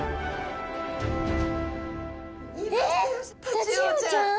タチウオちゃん！